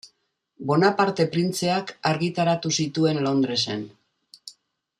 Bonaparte printzeak argitaratu zituen Londresen.